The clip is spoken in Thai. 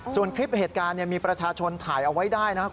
ส่วนคลิปเหตุการณ์มีประชาชนถ่ายเอาไว้ได้นะครับ